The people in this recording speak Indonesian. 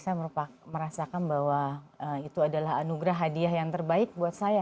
saya merasakan bahwa itu adalah anugerah hadiah yang terbaik buat saya